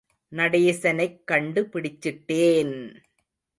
நடேசனைக் கண்டு பிடிச்சிட்டேன்!